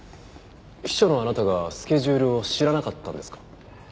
秘書のあなたがスケジュールを知らなかったんですか？